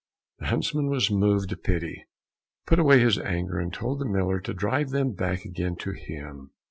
The huntsman was moved to pity, put away his anger, and told the miller to drive them back again to him.